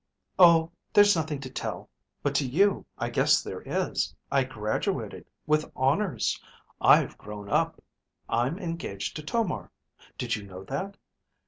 "Oh, there's nothing to tell. But to you I guess there is. I graduated, with honors. I've grown up. I'm engaged to Tomar. Did you know that?